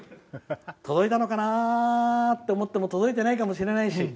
届いたのかな？って思っても届いてないかもしれないし。